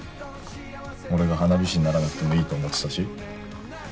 俺が花火師にならなくてもいいと思ってたし。